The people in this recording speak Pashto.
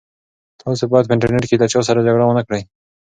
تاسي باید په انټرنيټ کې له چا سره جګړه ونه کړئ.